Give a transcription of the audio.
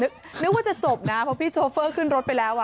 นึกว่าจะจบนะเพราะพี่โชเฟอร์ขึ้นรถไปแล้ว